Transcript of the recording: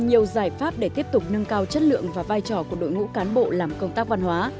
nhiều giải pháp để tiếp tục nâng cao chất lượng và vai trò của đội ngũ cán bộ làm công tác văn hóa